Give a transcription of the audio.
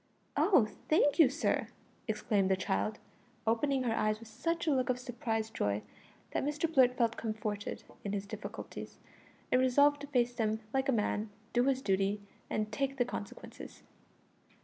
"Oh, thank you, sir!" exclaimed the child, opening her eyes with such a look of surprised joy that Mr Blurt felt comforted in his difficulties, and resolved to face them like a man, do his duty, and take the consequences.